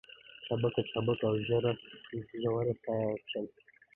چابکه چابکه او ژوره ساه يې کښل.